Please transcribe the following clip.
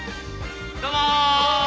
どうも。